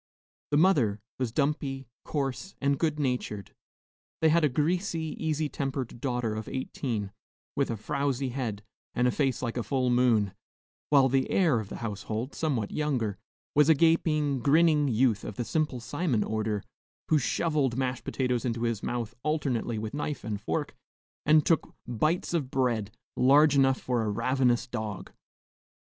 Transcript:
The mother was dumpy, coarse, and good natured. They had a greasy, easy tempered daughter of eighteen, with a frowsy head, and a face like a full moon; while the heir of the household, somewhat younger, was a gaping, grinning youth of the Simple Simon order, who shovelled mashed potatoes into his mouth alternately with knife and fork, and took bites of bread large enough for a ravenous dog.